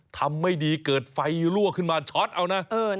ทำไม่ดีเกิดไฟรั่วขึ้นมาช็อตเอานะ